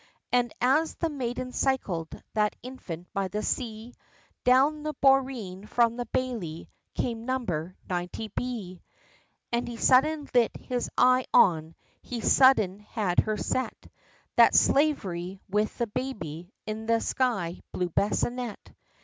And as that maiden cycled that infant by the sea, Down the boreen from the Bailey, came number 90 B; And he sudden lit his eye on, he sudden had her set, That slavey, with the baby, in the sky blue bassinet.